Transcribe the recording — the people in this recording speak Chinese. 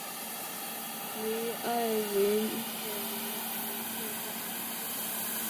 维埃维涅人口变化图示